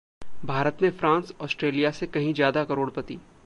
भारत में France, Australia से कहीं ज्यादा करोड़पति